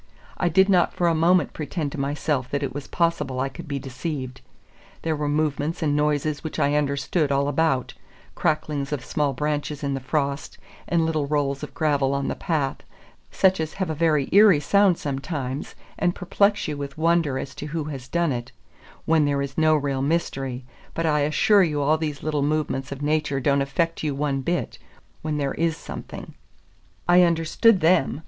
I did not for a moment pretend to myself that it was possible I could be deceived; there were movements and noises which I understood all about, cracklings of small branches in the frost, and little rolls of gravel on the path, such as have a very eerie sound sometimes, and perplex you with wonder as to who has done it, when there is no real mystery; but I assure you all these little movements of nature don't affect you one bit when there is something. I understood them.